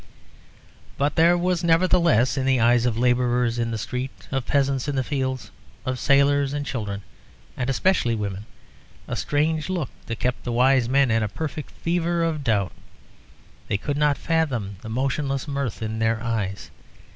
But there was, nevertheless, in the eyes of labourers in the streets, of peasants in the fields, of sailors and children, and especially women, a strange look that kept the wise men in a perfect fever of doubt. They could not fathom the motionless mirth in their eyes.